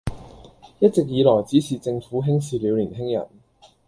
一直以來只是政府輕視了年輕人